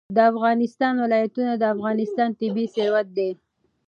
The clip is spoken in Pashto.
د افغانستان ولايتونه د افغانستان طبعي ثروت دی.